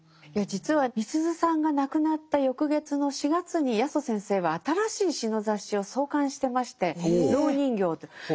いや実はみすゞさんが亡くなった翌月の４月に八十先生は新しい詩の雑誌を創刊してまして「蝋人形」と。